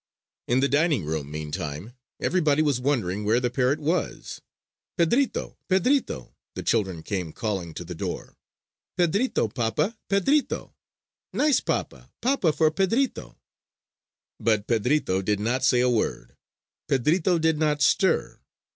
In the dining room, meantime, everybody was wondering where the parrot was. "Pedrito! Pedrito!" the children came calling to the door. "Pedrito! Papa, Pedrito. Nice papa! Papa for Pedrito!" But Pedrito did not say a word. Pedrito did not stir.